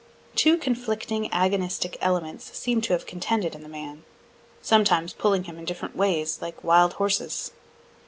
Two conflicting agonistic elements seem to have contended in the man, sometimes pulling him different ways like wild horses.